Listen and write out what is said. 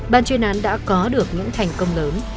ban chuyên án đã có được những thành công lớn